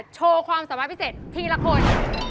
โชว์ความสามารถพิเศษทีละคน